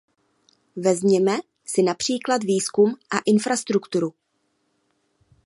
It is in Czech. Vezměme si například výzkum a infrastrukturu.